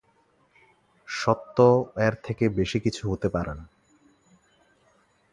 সত্য থেকে এর বেশি কিছু হতে পারে না।